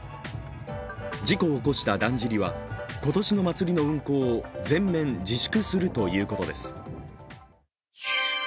事故を起こしただんじりは今年の祭りの運行を全面自粛するということです。